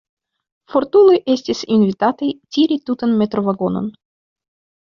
Fortuloj estis invitataj tiri tutan metrovagonon.